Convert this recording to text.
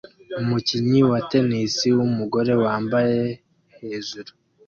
Umukinnyi wa tennis wumugore wambaye hejuru